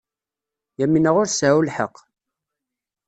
Yamina ur tseɛɛu lḥeqq.